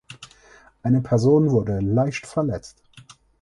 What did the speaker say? Eine Person wurde leicht verletzt.